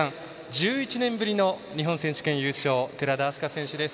１１年ぶりの日本選手権優勝寺田明日香選手です。